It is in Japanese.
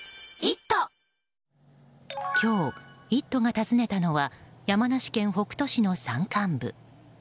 今日、「イット！」訪ねたのは山梨県北杜市の山間部。